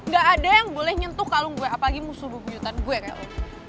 gak ada yang boleh nyentuh kalung gue apalagi musuh bujutan gue kayak lo